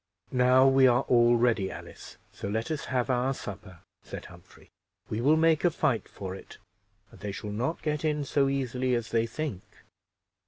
"Now we are all ready, Alice, so let us have our supper," said Humphrey. "We will make a fight for it, and they shall not get in so easily as they think."